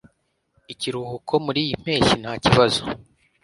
Ikiruhuko muriyi mpeshyi ntakibazo.